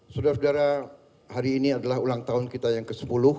saudara saudara hari ini adalah ulang tahun kita yang ke sepuluh